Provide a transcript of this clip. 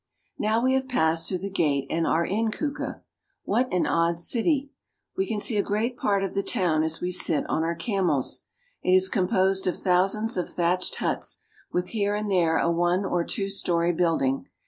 Now we have passed through the gate and are in Kuka. What ail odd city ! We can see a great part of the town as we sit on our camels. It is composed of thousands of thatched huts, with here and there a one or two story building.